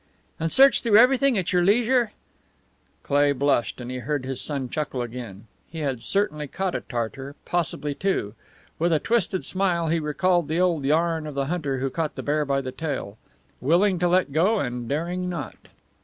"And search through everything at your leisure!" Cleigh blushed, and he heard his son chuckle again. He had certainly caught a tartar possibly two. With a twisted smile he recalled the old yarn of the hunter who caught the bear by the tail. Willing to let go, and daring not!